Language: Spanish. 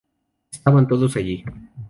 Estaban todos allí.